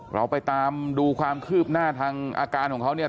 เราไปตามดูความคืบหน้าทางอาการของเขาเนี่ย